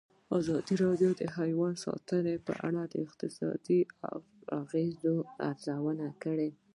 ازادي راډیو د حیوان ساتنه په اړه د اقتصادي اغېزو ارزونه کړې.